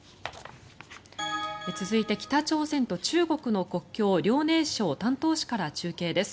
続いて、北朝鮮と中国の国境遼寧省丹東市から中継です。